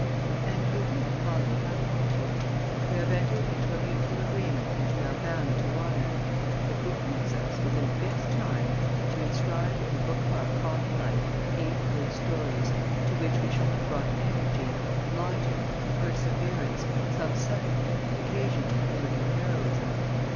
"And you will follow it up, won't you? We have entered into a mutual agreement which we are bound to honour. It behooves us, within a fixed time, to inscribe in the book of our common life eight good stories, to which we shall have brought energy, logic, perseverance, some subtlety and occasionally a little heroism.